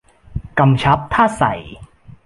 กำชับถ้าใส่